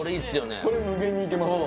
これ無限にいけます